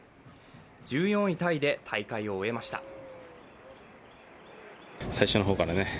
１４位タイで大会を終えました。